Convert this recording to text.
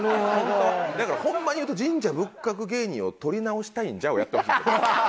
だからホンマに言うと「神社仏閣芸人を撮り直したいんじゃ！！」をやってほしいんですよ。